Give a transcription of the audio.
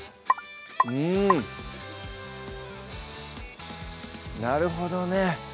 うんなるほどね